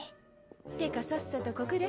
ってかさっさと告れ。